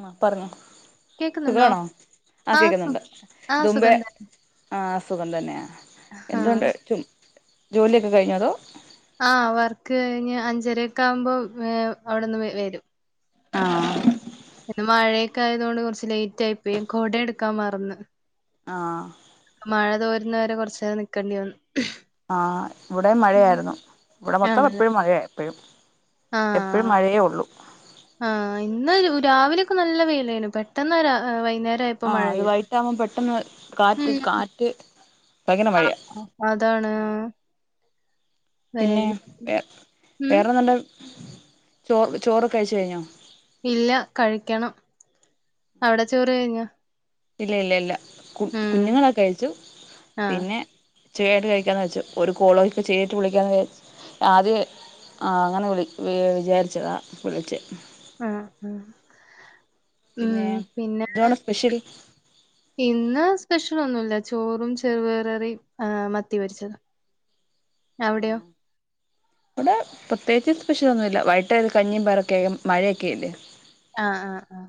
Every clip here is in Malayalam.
ആഹ് പറഞ്ഞോ കേക്കുന്നുണ്ടോ സുഖവാണോ ആ കേക്കുന്നുണ്ട് ആ ഇതുമ്പെ സുഖം തന്നെ ആ സുഖം തന്നെയാ ആ എന്തുണ്ട് ചു ജോലിയൊക്കെ കഴിഞ്ഞോ അതോ ആ വർക്ക് കഴിഞ്ഞ് അഞ്ചര െക്കെ ആവുമ്പോ ഏ അവിട്ന്ന് വെരും ആഹ് മഴയൊക്കെ ആയതൊണ്ട് കുറച്ച് ലേറ്റ് ആയി പോയി കൊട എടുക്കാൻ മറന്ന് ആഹ് മഴ തോരുന്നവരെ കൊറച്ചാരം നിക്കേണ്ടി വന്ന് ആഹ് ഇവിടെ മഴയായിരുന്നു ഇവിടെ മൊത്തം ആണല്ലേ എപ്പഴും മഴയായിരുന്നു പ്പഴും ആ എപ്പോഴും മഴയേ ഒള്ളു ആഹ് ഇന്ന് രാവിലെയൊക്കെ നല്ല വെയിലായിനു പെട്ടെന്ന് ര് വൈ ആഹ് അത് വൈട്ടാവുമ്പം പെട്ടെന്ന് കാത്ത് ഉം കാറ്റ് ഭയങ്കര മഴയാ അതാണ് പിന്നെ വര് വേ ഉം വേറെന്തുണ്ട് ചോറ് ചോറൊക്കെ കഴിച്ച കഴിഞ്ഞോ ഇല്ല കഴിക്കണം അവിടെ ചോറ് കഴിഞ്ഞ ഇല്ല ഇല്ല ഇല്ല കു കുഞ്ഞുങ്ങളൊക്കെ അഴിച്ചു ആ പിന്നെ ചുയായിട്ട് കഴിക്കാന്ന് വെച്ചു ഒരു കോളോക്കെ ചെയ്തിട്ട് വിളിക്കാന്ന് വി ആദ്യ ആഹ് അങ്ങനെ വിളി വിചാരിച്ചതാ വിളിച്ചെ ആഹ് ഉം ഉം പിന്നെ പിന്നെ എന്തുവാണ് സ്പെഷ്യൽ ഇന്ന് ഭക്ഷണൊന്നുല്ല ചോറും ചെറു പയറും കറിയും ആഹ് മത്തി പൊരിച്ചതു. ആഹ് ഇവിടെ പ്പ പ്രത്യേകിച്ച് സ്പെഷ്യലൊന്നുമില്ല വൈകിട്ട് കഞ്ഞിയും പയറും ഒക്കെയാ മഴയൊക്കെ അല്ലേ ആഹ് ആഹ് ആഹ്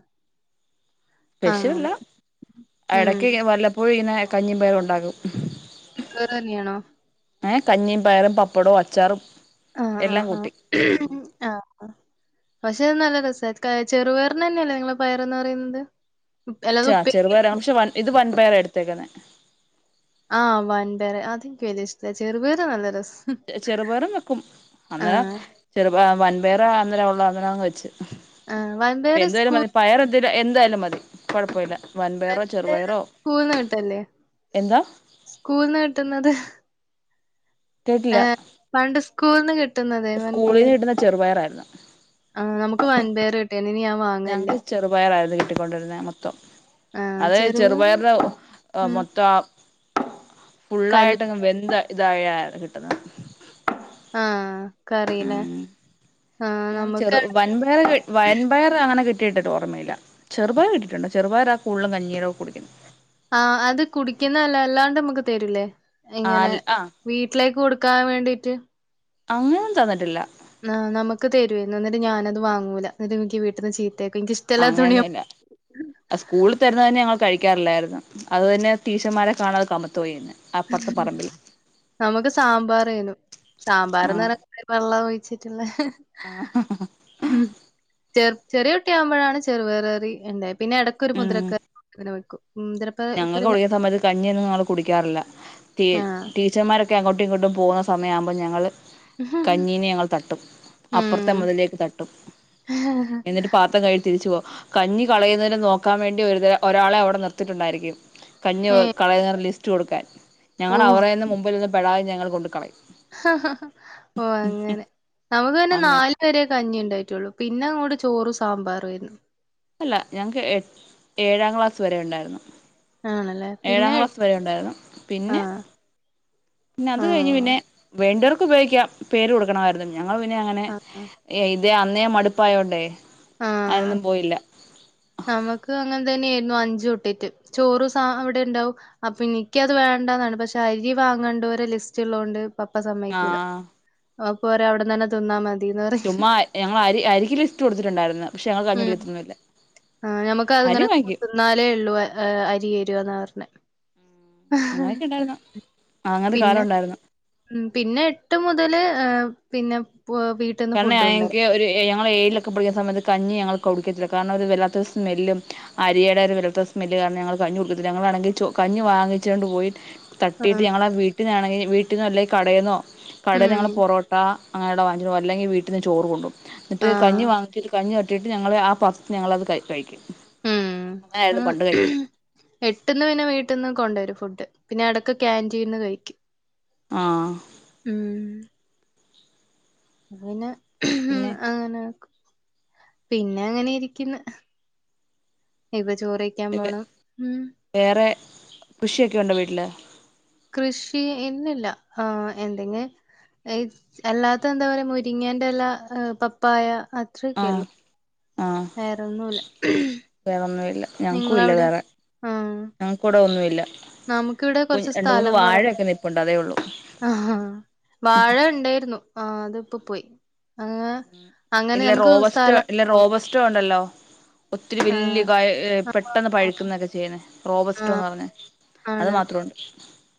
സ്പെഷുവല്ല അങ്ങനെ ഉം ഇടക്ക് വല്ലപ്പോഴ ഇനെ കഞ്ഞി പയറുണ്ടാകും കറനിയണോ ഏ കഞ്ഞിയും പയറും പപ്പടവും അച്ചാറും ആഹ് എല്ലാം ആഹ് ആഹ് കൂട്ടി ഉ ആഹ് ആഹ് പക്ഷെ അത് നല്ല രസമായി ചെറുപയറിന തന്നെയല്ലേ നിങ്ങള പയർന്ന് പറയുന്നത് ഉപ്പ്- അല്ലാതെ ച ഉപ്പേ ചെറുപയരാ പക്ഷെ വ ഇത് വൻ പയറാഎടുത്ത തകന ആഹ് വൻ പേരെ അതെനിക്ക് വല ഇഷ്ട ചെറുപേരെ നല്ല രസം ചെറുപേരും വെക്കും അന്നേ ആഹ് ചെറു വൻപേർ അ ഉള്ള അതിനങ് വെച്ച് ആഹ് ഇപ്പ വൻപയറ് എന്തായാലും സ്കൂൾ മതി പയർ അതിന് എന്തായാലും മതി കുഴപ്പമില്ല വൻപയറോ ചെറുപയറോ സ്കൂൾന്ന് കിട്ടല്ലേ എന്താ സ്കൂൾന്ന് കിട്ടുന്നത് ആഹ പണ്ട് സ് കൂന്ന് കി സ്കൂളിന്ന് കിട്ടുന്ന ചെറുപയറായിരുന്നു ആ നമുക്ക് വൻപയറാ കിട്ടിയേ ഞങ്ങക്ക് ചെറുപയറായിരുന്നു കിട്ടിക്കൊണ്ടിരുന്ന മൊത്തം അതെ ചെറുപയറ് ഉം മൊത്തം കൽ ഫുള്ളായിട്ടങ്ങ് വെന്ത ഇതായായത് കിട്ടുന്നത് ആ കറില്ലേ ഉം ആഹ് അങ്ങനെ ചെറു നമുക്ക് വൻപയർ വൻപയറാങ്ങനെ കിട്ട ഓർമയില്ല ചെറുപയറ് കിട്ടിട്ടുണ്ട് ചെറുപയറാ കൂടുതലും കഞ്ഞീടെകൂടെ കുടിക്കുന്നെ ആ അത് കുടിക്കുന്നതല്ല അല്ലാണ്ട് നമ്മുക്ക് തരൂലേ ആ ഇങ്ങനെ ആ വീട്ടിലേക്ക് കൊടുക്ക എക്കാൻ വേണ്ടീട്ട് അങ്ങനൊന്നും തന്നിട്ടില്ല ആ നമുക്ക് തരുവരുന്നു എന്നിട്ട് ഞാനത് വാങ്ങൂല എന്നിട്ട് എനിക്ക് വീട്ടീന്ന് ചീ അങ്ങനെയൊന്നുവില്ല സ്കൂളിൽ തരുന്ന തന്നെ ഞങ്ങൾ കഴി ക്കാറില്ലായിരുന്നു അത് തന്നെ ടീച്ചർമാരെ കാണാതെ കമത്തുവാരുന്നു നമുക്ക് സാമ്പാറാരുന്നു സാമ്പാർന്ന് ആഹ് പറഞ്ഞ വെള്ളം വച്ചിട്ടുള്ള ആഹ് ഉം ചെറിയകുട്ടി ആവുംപോഴാണ് ചെറുപയറ് കറി എന്തേ പിന്നെ ഇടക്കൊരു മുതിരക്കറി വെക്കും ഞങ്ങളൊക്കെ മുതിരപ്പക്കറില്ല പഠിക്കുന്ന സമയത്ത് ക കഞ്ഞിയൊന്നും ഞങ്ങൾ കുടിക്കാറില്ല ടീ ആഹ് ടീച്ചർമാരൊക്കെ അങ്ങോട്ടും ഇങ്ങോട്ടും പോകുന്ന സമയാമ്പോ ഞങ്ങള് കഞ്ഞീനെ ഞങ്ങൾ തട്ടും അപ്പുറത്തെ ഉം മതിലിലേക്ക് തട്ടും എന്നിട്ട് പാത്രം കഴുകി തിരിച്ചു പോം കഞ്ഞി കളയുന്നതിനും നോക്കാൻ വേണ്ടി ഒരു ഒരാളെ അവിടെ നിർത്തിട്ടുണ്ടായിരി ക്കും. കഞ്ഞി ഏഹ് കളയുന്നോരെ ലിസ് റ്റ് കൊടുക്കാൻ. ഞങ്ങള് അവരെ ഒന്നും മുമ്പിൽന്ന് പെടാതെ ൾ കൊണ്ടു ക്കളയും. ഓ അങ്ങനെ നമുക്ക് പിന്നെ അങ്ങനെ നാല വരെ കഞ്ഞിണ്ടായി റ്റുള്ളൂ പിന്നെ ഇങ്ങോട് ചോറും സാമ്പാറും ആരുന്നു. അല്ല ഞങ്ങക്ക് എ ഏഴാം ക്ലാസ് വരെ ഉണ്ടായിരുന്നു. ആണല്ലേ ഏഴാം പിന്നെ ക്ലാസ് വരെ ഉണ്ടായിരുന്നു പിന്നെ ആഹ് പിന്നെ അത് കഴിഞ്ഞ് ആഹ് പിന്നെ വേണ്ടവർ ഉപയോഗിക്ക പേര് കൊടുക്കണമായിരുന്നു. ഞങ്ങള് പിന്നെ അങ്ങനെ ആഹ് എയ് ഇതെ അന്നേ മടുപ്പായോണ്ടേ ആഹ് അയിനൊന്നും പോയില്ല. നമുക്ക് അങ്ങനെ തന്നെ ആയിരുന്നു അഞ്ച് തൊട്ടിട്ട്, ചോറും സാ അവിടെ ഇണ്ടാവും, അപ്പൊ എനിക്കത് വേണ്ടന്നാണ് പക്ഷെ അരി വാങ്ങണ്ടോരെ ലിസ്റ്റ് ഇള്ള കൊണ്ട് പപ്പ സമ്മയിക്കൂല. ആഹ് പോര അവിടന്നന്നെ തിന്നാ മ ചുമ്മാ ഞങ്ങള് അരി അരിക്കും ലിസ്റ്റ് കൊടുത്തിട്ടുണ്ടായിരുന്നു പക്ഷെ ഞങ്ങൾ കഞ്ഞി ഉം കുടിക്കത്തൊന്നുല്ല. ആ ഞമ്മക്ക് അതിങ്ങനെ കൊ ത്തിന്നാലേ ഉള്ളൂ അരി തേരുകെന്ന പറഞെ. അങ്ങനെയൊക്കെ ഉണ്ടായിരുന്നു അങ്ങനത്തെ കാലം പിന്നെ ഉണ്ടായിരുന്നു പിന്നെ എട്ട് മുതല് പിന്നെ പ് വീട്ടിന്ന് [unintelligible] ഫുഡ് കൊണ്ടരും ആയെങ്കി ഒരു എയാം ഞങ്ങള് ഏഴിലൊക്കെ പഠിക്കുന്ന സയത്ത് കഞ്ഞി ഞങ്ങള് കുടിക്കത്തില്ല, കാരണം ഒരു വല്ലാത്തൊരു സ്മെല്ലും, അരിയടെ ഒരു വല്ലാത്ത സ്മെല്ലും കാരണം ഞങ്ങള് കഞ്ഞി കുടിക്കത്തില്ല ഞങ്ങളാണെങ്കി ചോ കഞ്ഞി വാങ്ങിച്ചോണ്ട് പോയി ആ തട്ടിയിട്ട് ഞങ്ങളെ വീ വീട്ടിന്നാണെങ്കി വീട്ടില്ന്നൊ അല്ലേ കടേന്നോ കട ഉം ഞങ്ങള് പൊറോട്ട അങ്ങനെയുള്ള വാ [unintelligible] അല്ലെങ്കി വീട്ടിന്ന് ചോറ് കൊണ്ടോ ഇന്നിട്ട് ആഹ് കഞ്ഞി വാങ്ങിച്ചിട്ട് കഞ്ഞി എ ട്ടിട്ട് ഞങ്ങള് ആ പാത്രത്തിന്ന് ഞങ്ങളത് കഴി കഴിക്കും ഉം അങ്ങനെയായിരുന്നു പണ്ട് കഴിക്കുന്നത് എട്ട്ന്ന് പിന്നെ വീട്ടിന്ന് കൊണ്ടോരും ഫുഡ് പിന്നെ എട [unintelligible] ക്യാൻ്റീൻ ന്നു കഴിക്കും ആ ഉം [unintelligible] പിന്നെ [unintelligible] പിന്നെ അങ്ങനെ ഇരിക്കുന്നു ചോറിക്കാൻ പോണം ഉം കൃഷിയൊക്കെണ്ടോ വീട്ടില് കൃഷി ഇന്നില്ല ആ എന്തെ [unintelligible] അല്ലാത്ത എന്താ പറയാ മുരിങ്ങേന്റെ എല പപ്പായ ആ അത്രയേക്കെള്ളു ആ വേറെന്നുല്ല വേറൊന്നുമില്ല ഞങ്ങൾക്കും ഇല്ല നിങ്ങളവിടെയൊ വേറെ ആ ഞങ്ങക്കിവിടെ ഒന്നുമില്ല നമുക്കിവിടെ കു കുറച്ച് രണ്ട് മൂന്ന് സ്ഥലം കൊറ. വാഴയൊക്കെ നിപ്പുണ്ട് അതേ ഉള്ളൂ ആഹ് വാഴ ഇണ്ടയ്രുന്നു ആഹ് അത് ഇപ്പൊ പോയി [unintelligible] അങ്ങനെ ഇല്ല നമുക്ക് റോവസ്റ്റൊ സ്ഥലം ഇല്ല കൊറവ് റോവസ്റ്റൊ ണ്ടല്ലോ ഒത്തിരി വല്യ ആഹ് കായ ഏ ആഹ് പെട്ടെന്ന് ആഹ് പഴുക്ന്നക്കെ ചെയ്യ്ന്ന. ആഹ് റോബസ്റ്റോന്നറഞ്ഞ അത് ആണല്ലേ മാത്രമുണ്ട്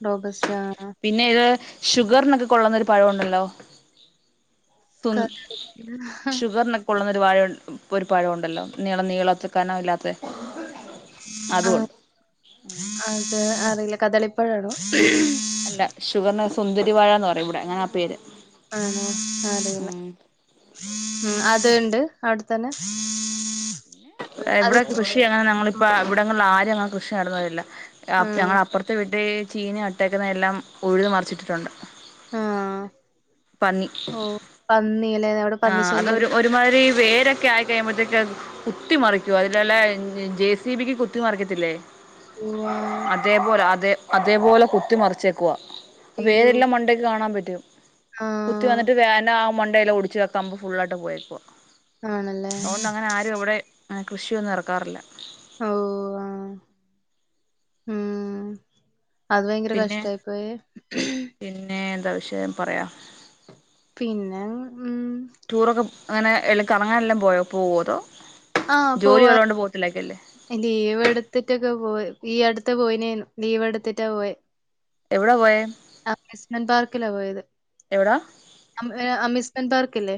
റോബസ്റ്റ ആഹ് പിന്നെ ഇത് ഷുഗറിനൊക്കെ കൊള്ള്ന്നൊരു പഴോണ്ടല്ലോ [unintelligible] ഷുഗറിനൊക്കൊള്ള്ന്ന ഒരു വാഴ ൻ ഇപ്പൊരു പഴോണ്ടല്ലോ. നീളം, നീളത്തി കനവില്ലാത്തെ ആഹ് അതേ അ അല്ല കദളിപ്പഴാണോ? അല്ല ഷുഗർന്ന് സുന്ദരിവാഴാന്ന് പറയും ഇവിടെ. അങ്ങനാ പേര്. ആണോ അറീല ഉം ഉം അത്ണ്ട് അവ്ട് തന്നെ ഇവ്ടെ കൃഷി ആണ് ഞങ്ങളിപ്പോ ഇവിടെങ്ങനെ ആരേം കൃഷി [unintelligible] അപ് ആഹ് ഞങ്ങളെ അപ്പർത്തെ വീട്ടി ചീഞ്ഞ അട്ടേക്ക്ന്നെല്ലാം ഉഴുത് മറിച്ചിട്ടിട്ടുണ്ട്. ആ ഓഹ് പന്നില്ലേ അവ്ടെ ആഹ് അതൊരു ഒരുമാ ര് വേരൊക്കെ ആയി കഴിയുമ്പത്തേക്ക് കുത്തിമറിക്കുവാ, അതില്ലെ ജെ സി ബിക്ക് കുത്തി മറിക്കത്തില്ലേ ഓ ആഹ് അതേപോലെ അതേ അതേപോലെ കുത്തി മറിച്ചേക്കുവാ, അയ്യോ വേരെല്ലാം മണ്ടയ്ക്ക് കാണാൻ പറ്റും. ആഹ് അത് [unintelligible] മണ്ടയെല്ലാം ഒടിച്ച് കള കമ്പ് ഫുള്ളായിട്ട് പോയേക്കുവാ. ആണല്ലേ അതുകൊണ്ടങ്ങനെ ആരു എവടേം ആഹ് കൃഷിയൊന്നും എറക്കാറില്ല. ഓഹ് ആഹ് ഉം അത് ഭയങ്കര പിന്നെ കഷ്ട്ടായിപോയെ. ന്നാ വിഷയം പറയാ പിന്നെ ഉം എല കറങ്ങാനെല്ലാം പോയൊ പോവതോ ജോലി ഉള്ളോണ്ട് പോവത്തില്ലാക്കല്ലെ ലീവെടുതിട്ടൊക്കെ പോയി ഈ അടുത്ത് പോയിന് ലീവെടുത്തിട്ടാ പോയെ എവിടാ പോയേ അമിസ്മെന്റ് പാർക്കിലാ പോയത് എവിടാ അമി ഏ അമിസ് എന്താർക്കില്ലേ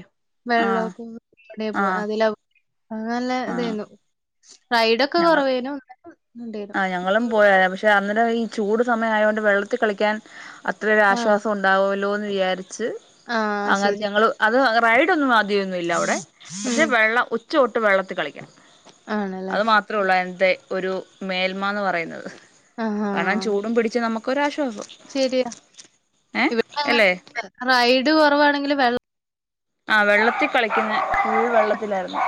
ആഹ് വെള്ളക്കും അവിടേയാ പോ ആഹ് അതിലാ ഇന്നല്ലേ ആഹ് ഇതായിനു റൈഡ് ഒക്കെ കുറവേനും ആ ഞങ്ങളും പോയ പക്ഷെ അന്നേരം ഈ ചൂട് സമയം ആയൊണ്ട് വെള്ളത്തി കളിക്കാൻ അ ആഹ് ഇത്രരാശ്വാസം ഉണ്ടാവുല്ലോന്ന് വിചാ ച്ച് ആഹ് അങ്ങനെ ശരി ഞങ്ങള് അത് അ ബൈഡ് ഒന്നും വാ ന്നുല്ല അവിടെ പക്ഷെ ഉം വെള്ളം ഒ ചോട്ട് വെള്ളത്തി കളിക്കാം ആണല്ലേ അത് മാത്രേ ഉള്ളായി അതെ ഒരു മേൽമാന്ന് പറയുന്നത് ആഹാ കാണാൻ ചൂടും പിടിച്ച് നമുക്ക് ക്കൊരാ ശരിയാ അല്ലേ ഇവിടെങ്ങ ഇത് കുറവാണെങ്കിലിൽ വെള്ളം ആ വെള്ളത്തിൽ കളിക്കുന്ന ഫുൾ വെള്ളത്തിലായിരുന്നു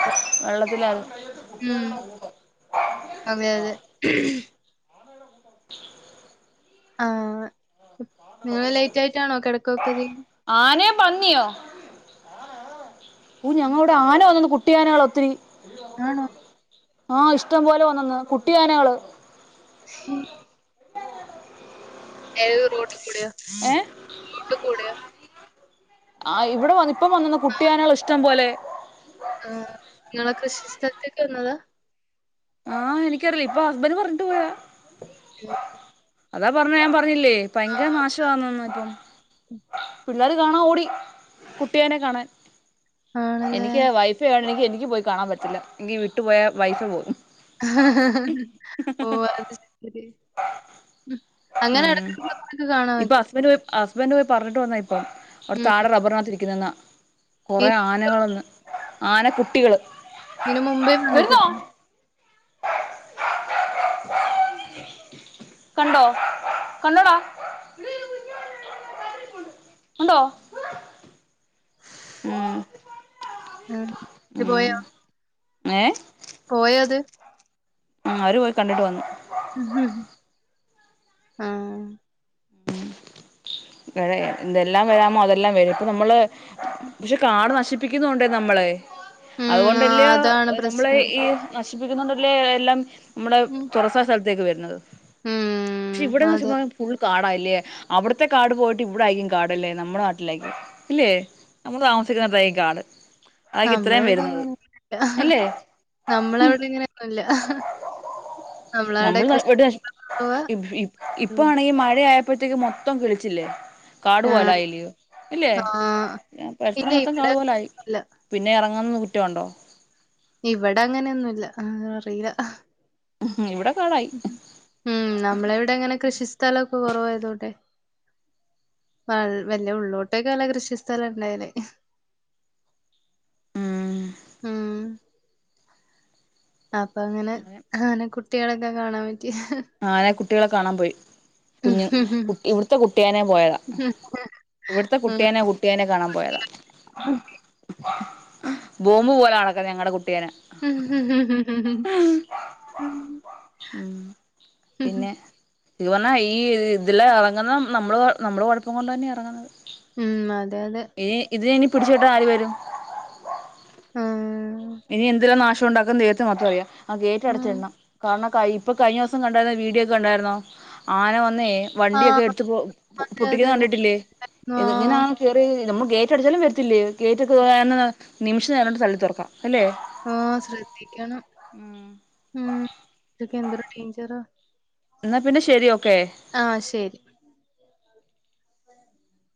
[unintelligible] വെള്ളത്തിലായിരുന്ന ഉം അതെ അതെ [inaudible] ആഹ് നിങ്ങൾ ലേറ്റ് ആയിട്ടാണോ കിടക്കയൊക്കെ ചെയ്യുന്നത് ആനയോ പന്നിയോ ഓ ഞങ്ങ ഇവിടെ ആന വന്നന്ന് കുട്ടിയ ആനകള് ഒത്തിരി ആണോ ആ ഇഷ്ടം പോലെ വന്നന്ന് കുട്ടിയാനകള് എോ [unintelligible] ട്ട കുടയാ ഏഹ് റോട്ടു കൂടയാ [unintelligible] ആ ഇവിടെ വന്ന് ഇപ്പം വന്നന്ന് കുട്ടിയാനകൾ ഇഷ്ടം പോലെ ആ നിങ്ങളെ കൃഷി സ്ഥലത്തേക്ക് വന്നതാ ആഹ് എനിക്കറില്ല ഇപ്പൊ ഹസ്ബന്റ പറഞ്ഞിട്ട് പോയാ [inaudible] അതാ പറഞ്ഞ ഞൻ പറ പറഞ്ഞില്ലേ ഭയങ്കര നാശമാന്നന്ന പറ്റും പിള്ളേർ കാണാ ഓടി കുട്ടിയാനെ കാണാൻ ആണല്ലേ എനിക്ക് വൈഫയി എനിക്ക് എനിക്ക് പോയി കാണാൻ പറ്റില്ല എങ്കിൽ വിട്ടു പോയ വൈഫ് പോലും ഓ അത് ശരി അങ്ങനെ എടക്കടക്ക് കാണാൻ പറ്റും ഹസ്ബന്റ പോയി പറഞ്ഞട്ട് വന്ന അപ്പം അവിടെ താട ഉം റബ്ബറിനകത്തിരിക്കുന്നന്ന ഈ കുറെേ ആനകളന്ന് ആന കുട്ടികള് ഇനി മുൻപേ ഇവിടെ വരുന്നോ വന്നിട്ടുണ്ട് കണ്ടോ കണ്ടോടാ ഉണ്ടോ [inaudible] ആ ഇത് പോയ ഉം ഏ പോയത് ഉ അവര് പോയി കണ്ടിട്ട് വന്നു ഉ ആഹ ഇടെ ഇതെല്ലാം വരാമോ അതെല്ലാം വരും ഇപ്പൊ നമ്മള് പക്ഷെ കാട് നശിപ്പ് പ്പിക്കുന്നോണ്ട് നമ്മളെ ഉം ആ, അതുകൊണ്ടല്ലയോ അതാണ് നമ്മള് പ്രശ്നം. ഈ നഷ് നശിപ്പിക്കുന്നുണ്ടല്ലേ എല്ലാം നമ്മുടെ ഉം. തുറസായ സ്ഥലത്തേക്ക് വരും [unintelligible] പക്ഷെ ഉം. ഇവിടെന്ന് അതെ. [unintelligible] കാടാല്ലേ അവിടത്തെ കാട് പോയിട്ട് ഇവിടൊയിരിക്കും കാടല്ലേ നമ്മുടെ നാട്ടിലായിക്കും ഇല്ലേ നമ്മൾ താമസിക്കുന്നടത്തു ആയിരിക്കും കാട് അതായിരിക്കും ഇത്രയും നമ്മളെവിടെ വരുന്നത് അങ്ങനയൊന്നുല്ല അല്ലേ ഉം നമ്മളെവിടെങ്ങനെയൊന്നുംല്ല നമ്മൾ നമ്മളവിടെ [unintelligible] ഇവിടെ [unintelligible] ആയപ്പോത്തേക്ക് മൊത്തം കിളിച്ചില്ലേ ആ. കാടുപോലായില്ലോ ഇല്ലേ ആ. ഇല്ല [unintelligible] മൊത്തം കാടു ഇവിടെ പോലായി ല്ല. പിന്നെ ഇറ [unintelligible] ഇവിടെ അങ്ങനെയൊന്നുമല്ല അ അറിയില്ല ഉം ഇവിടെ കാടായി ഉം നമ്മളെവിടെ അങ്ങനെ കൃഷി സ്ഥലം [unintelligible] കുറവായതോട്ടെ വ വല്യ ഉള്ളോട്ടൊക്കെ അല്ല കൃഷി സ്ഥല ഉണ്ടായന് ഉം ഉം അപ്പൊ അങ്ങനെ അങ്ങനെ കുട്ട് കുട്ടികളൊക്കെ കാണാൻ വേ ആനെ കുട്ടികള് കാണാൻ പോയി കുഞ്ഞു കു ഇവിടുത്തെ കുട്ടിയനെ പോയതാ ഇവിടുത്തെ കുട്ടിയനെ കുട്ടിയനെ കാണാൻ പോയതാ ബോംബ് പോലെ നടക്കും ഞങ്ങളുടെ കു പിന്നെ ഇത് പറഞ്ഞാ ഈ ഇതില് ഇറങ്ങുന്ന നമ്മള് നമ്മള് കുഴപ്പം കൊണ്ട് തന്നെ ഇറങ്ങുന്നത് ഉം അ ഏ ഇത് ഇനി പിടിച്ചു കെട്ടാൻ ആര് വരും ഉം ഇനി എന്തര് നാശ് ഉണ്ടാക്കുന്ന് ദൈവത്തിന് മാത്രം അറിയ ആ ഗേറ്റ് ആഹ് അടച്ചിടണം കാരണം കൈ ഇപ്പൊ കഴിഞ്ഞ ദിവസം കണ്ടായിരുന്ന വീഡിയോ ഒക്കെ കണ്ടായിരുന്നോ ആന വ ന്നേ വണ്ടിയൊക്കെ ആഹ് എടു പൊ അതെ പൊട്ടിക്ക അതെ ഞാൻ കണ്ടിട്ടില്ലേ ഇത് എങ്ങനാ ആഹ് കേറിയേ നമ്മ ഗേറ്റ് അടിച്ചാലും വരത്തില്ലേ ഗേറ്റ് [unintelligible] നിമിഷ നേരം കൊണ്ട് തള്ളി തുറക്കാം അല്ലേ ആ ശ്രദ്ധിക്കണം. ഉം ഇതൊക്കെ എന്തൊരു ഡൈൻജറാ എന്നാ പിന്നെ ശെരി ഓക്കെ. ശരി [inaudible]